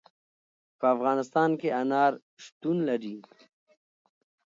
په افغانستان کې انار شتون لري.